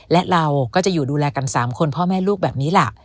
และเราก็จะอยู่ดูแลกัน๓คนพ่อแม่ลูกแบบนี้ล่ะ